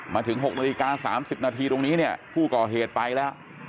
มาถึง๖นาฬิกา๓๐นาทีตรงนี้เนี่ยผู้ก่อเหตุไปแล้ว